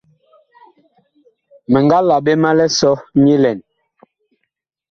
Mi nga la ɓe ma lisɔ nyilɛn.